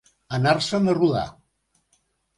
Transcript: Anar-se'n a rodar.